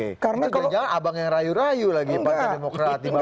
itu jalan jalan abang yang rayu rayu lagi pak demokrat di bawah